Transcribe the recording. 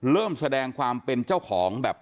เริ่มแสดงความเป็นเจ้าของแบบ